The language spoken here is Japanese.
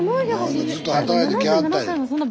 ずっと働いてきはったんや。